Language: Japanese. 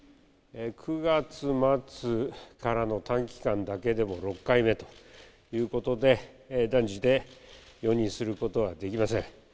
９月末からの短期間だけでも６回目ということで、断じて容認することはできません。